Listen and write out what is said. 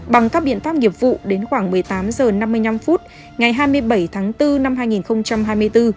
bằng các biện pháp nghiệp vụ đến khoảng một mươi tám h năm mươi năm ngày hai mươi bảy tháng bốn năm hai nghìn hai mươi bốn